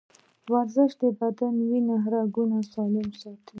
ورزش د وینې رګونه سالم ساتي.